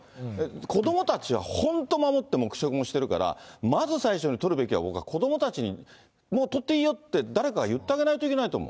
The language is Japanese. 子どもたちは本当、守って黙食もしてるから、まず最初に取るべきは僕は子どもたちに、もう取っていいよって、誰かが言ってあげないといけないと思う。